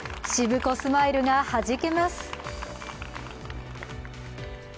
しぶこスマイルがはじけます。